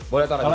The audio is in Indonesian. boleh tora dulu